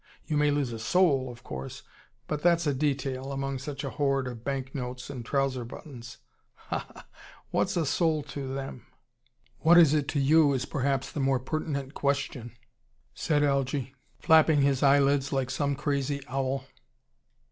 You may lose a SOUL, of course. But that's a detail, among such a hoard of banknotes and trouser buttons. Ha ha! What's a soul, to them ?" "What is it to you, is perhaps the more pertinent question," said Algy, flapping his eyelids like some crazy owl.